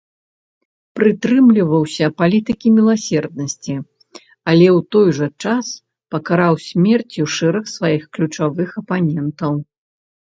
Прытрымліваўся палітыкі міласэрнасці, але ў той жа час пакараў смерцю шэраг сваіх ключавых апанентаў.